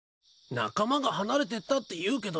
仲間が離れてったって言うけどよ